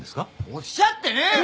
おっしゃってねえよ！